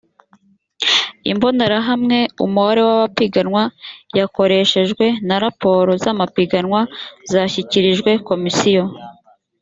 imbonerahamwe umubare w amapiganwa yakoreshejwe na raporo z amapiganwa zashyikirijwe komisiyo